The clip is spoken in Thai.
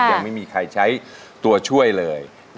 ยังไม่มีใครใช้ตัวช่วยเลย